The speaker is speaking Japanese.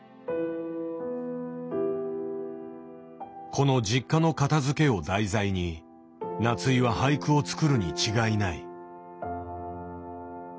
この実家の片づけを題材に夏井は俳句を作るに違いない。